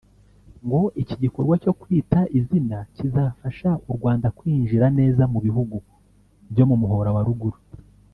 ngo iki gikorwa cyo Kwita Izina kizafasha u Rwanda kwinjira neza mu bihugu byo mu Muhora wa Ruguru